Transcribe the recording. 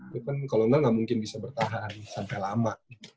itu kan kalau nggak mungkin bisa bertahan sampai lama